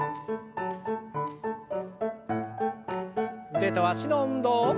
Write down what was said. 腕と脚の運動。